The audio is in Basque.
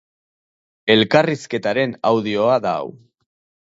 Elkarrizketaren audioa da hau.